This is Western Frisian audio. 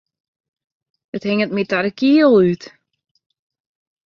It hinget my ta de kiel út.